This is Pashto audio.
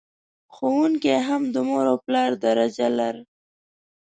ښوونکي هم د مور او پلار درجه لر...